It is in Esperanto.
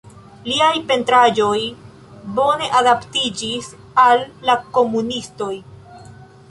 Liaj pentraĵoj bone adaptiĝis al la komunistoj.